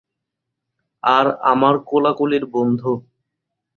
আর আমার কোলাকুলির বন্ধু।